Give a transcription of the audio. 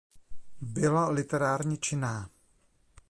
Byla literárně činná.